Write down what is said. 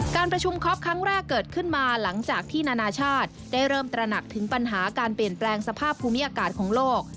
การประชุมคอปครั้งแรกเกิดขึ้นมาหลังจากที่นานาชาติได้เริ่มตระหนักถึงปัญหาการเปลี่ยนแปลงสภาพภูมิอากาศของโลก